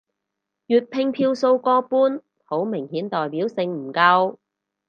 粵拼票數過半好明顯代表性唔夠